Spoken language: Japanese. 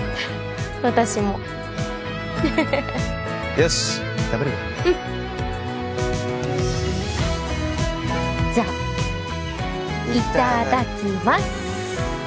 私もよし食べるかうんよしじゃあいただきます